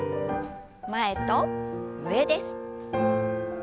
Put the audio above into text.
前と上です。